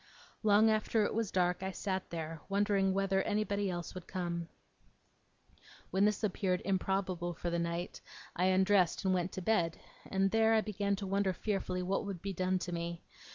Long after it was dark I sat there, wondering whether anybody else would come. When this appeared improbable for that night, I undressed, and went to bed; and, there, I began to wonder fearfully what would be done to me.